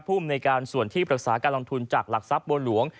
ภูมิในการส่วนที่ปรึกษาการลงทุนจากหลักทรัพย์บัวหลวง